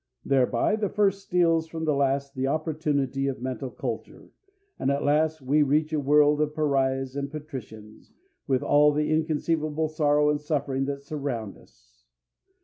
Thereby the first steals from the last the opportunity of mental culture, and at last we reach a world of pariahs and patricians, with all the inconceivable sorrow and suffering that surround us.